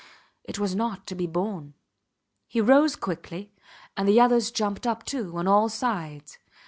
It was not to be borne. He rose quickly, and the others jumped up, too, on all sides.